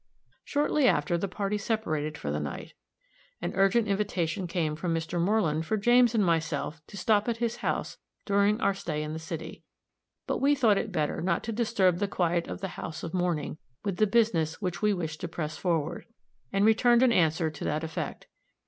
Shortly after, the party separated for the night. An urgent invitation came from Mr. Moreland for James and myself to stop at his house during our stay in the city; but we thought it better not to disturb the quiet of the house of mourning with the business which we wished to press forward, and returned an answer to that effect.